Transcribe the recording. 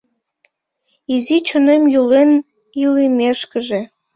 Изи чонем йӱлен илымешкыже